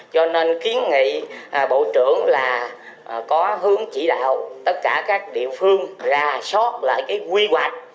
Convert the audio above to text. cho nên kiến nghị bộ trưởng là có hướng chỉ đạo tất cả các địa phương ra sót lại cái quy hoạch